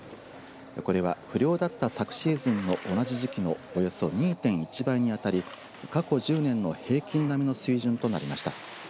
これは不漁だった昨シーズンの同じ時期のおよそ２．１倍に当たり過去１０年の平均並みの水準となりました。